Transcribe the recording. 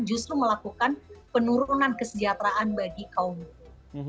justru melakukan penurunan kesejahteraan bagi kaum muda